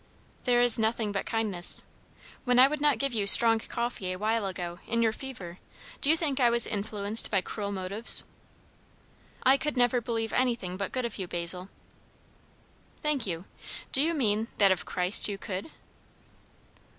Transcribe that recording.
"There is nothing but kindness. When I would not give you strong coffee a while ago, in your fever, do you think I was influenced by cruel motives?" "I could never believe anything but good of you, Basil." "Thank you. Do you mean, that of Christ you _could?